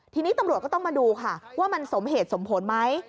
ทีนี้ตำรวจก็ต้องมาดูค่ะว่ามันสมเหตุสมผลไหม